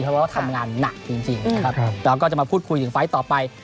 เพราะว่าทำงานหนักจริงนะครับแล้วก็จะมาพูดคุยถึงไฟล์ต่อไป